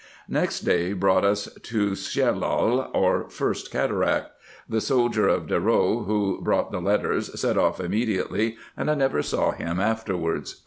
Next day brought us to the Shellal, or first cataract. The soldier of Derow, who brought the letters, set off immediately, and I never saw him afterwards.